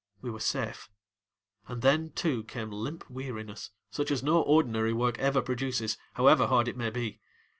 We were safe, and then, too, came limp weariness such as no ordinary work ever produces, however hard it may be.